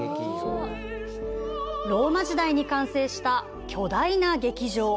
ローマ時代に完成した巨大な劇場。